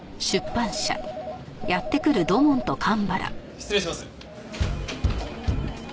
失礼します。